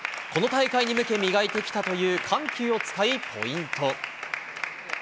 この大会に向け、磨いてきたという緩急を使いポイント。